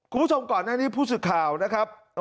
คุณผู้ชมก่อนหน้านี้ผู้สื่อข่าวนะครับ